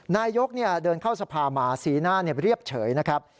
นายกเดินเข้าสภามาสีหน้าเรียบเฉยนะครับ